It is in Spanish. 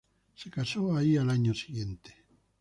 Se casó ahí al año siguiente.